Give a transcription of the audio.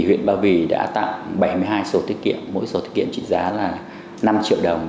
huyện ba vy đã tặng bảy mươi hai số tiết kiệm mỗi số tiết kiệm trị giá là năm triệu đồng